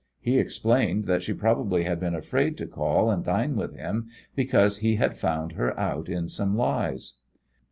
He explained that she probably had been afraid to call and dine with him because he had found her out in some lies."